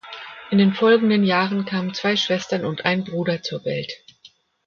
In den folgenden Jahren kamen zwei Schwestern und ein Bruder zur Welt.